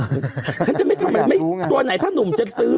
ฉันจะไม่ทำอะไรไม่ตัวไหนถ้านุ่มจะซื้อ